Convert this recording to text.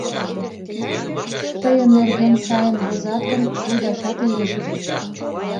— Тыйын нерген сайын возат гын, лудашат лиеш ыле.